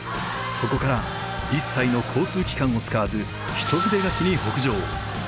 そこから一切の交通機関を使わず一筆書きに北上。